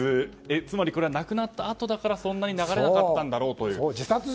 つまり亡くなったあとだからそんなに流れなかったんだろうと。